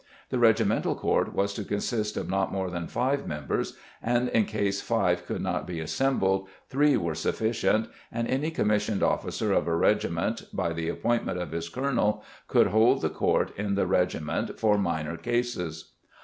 The regimental court was to consist of not more than five members and in case five could not be assembled three were sufficient, and any commissioned officer of a regiment by the appointment of his colonel could hold the court in the regiment for minor cases.